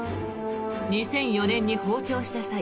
２００４年に訪朝した際